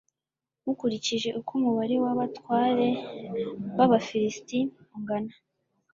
mukurikije uko umubare w'abatware b'abafilisiti ungana